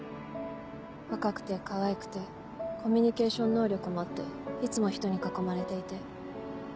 若くてかわいくてコミュニケーション能力もあっていつも人に囲まれていて。